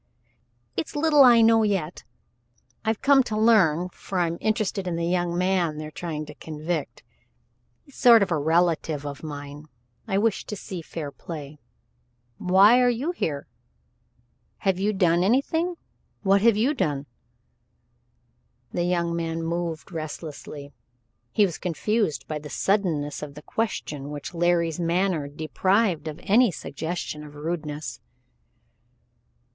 "It's little I know yet. I've come to learn, for I'm interested in the young man they're trying to convict. He's a sort of a relative of mine. I wish to see fair play. Why are you here? Have you done anything what have you done?" The young man moved restlessly. He was confused by the suddenness of the question, which Larry's manner deprived of any suggestion of rudeness.